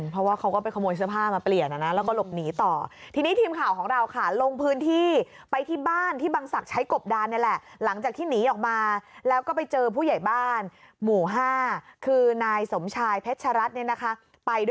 เพราะว่าเขาก็ไปขโมยเสื้อผ้ามาเปลี่ยนนะนะแล้วก็หลบหนีต่อ